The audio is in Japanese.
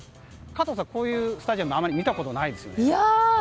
加藤さん、こういうスタジアム見たことないです。